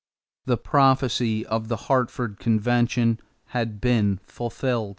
The prophecy of the Hartford convention had been fulfilled.